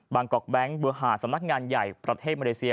บางกอกแบงค์เบื้อหาสำนักงานใหญ่ประเทศมเมริเซีย